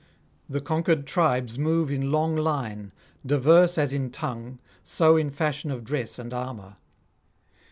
The conquered tribes move in long line, diverse as in tongue, so in fashion of dress and armour.